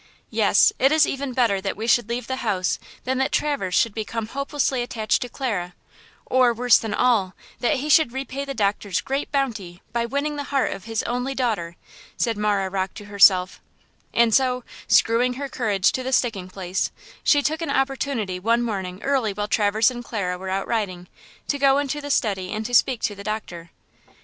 "Yes! It is even better that we should leave the house than that Traverse should become hopelessly attached to Clara; or, worse than all, that he should repay the doctor's great bounty by winning the heart of his only daughter," said Marah Rocke to herself; and so "screwing her courage to the sticking place," she took an opportunity one morning early while Traverse and Clara were out riding, to go into the study to speak to the doctor.